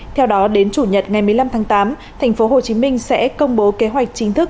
theo đó đến chủ nhật ngày một mươi năm tháng tám thành phố hồ chí minh sẽ công bố kế hoạch chính thức